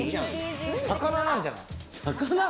魚なんじゃない？